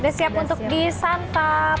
sudah siap untuk disantap